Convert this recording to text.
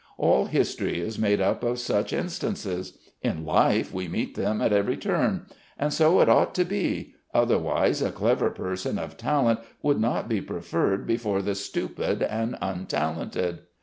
All history is made up of such instances. In life we meet them at every turn. And so it ought to be; otherwise a clever person of talent would not be preferred before the stupid and untalented.